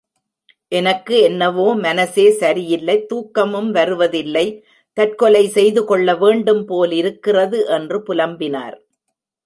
எனக்கு என்னவோ மனசே சரியில்லை தூக்கமும் வருவதில்லை தற்கொலை செய்து கொள்ள வேண்டும் போலிருக்கிறது என்று புலம்பினார்.